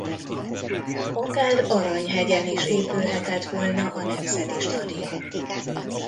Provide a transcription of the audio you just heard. Akár Aranyhegyen is épülhetett volna a Nemzeti Stadion.